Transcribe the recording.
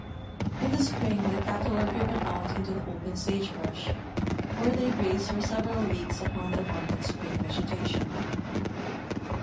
In the spring the cattle are driven out into the o|)en sage Inaisb, where they graze for several weeks upon the abundant spring vegetation.